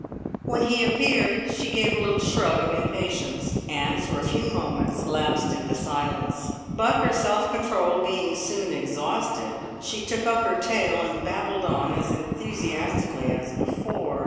When he appeared she gave a little shrug of impatience, and for a few moments lapsed into silence, but her self control being soon exhausted, she took up her tale and babbled on as enthusiastically as before.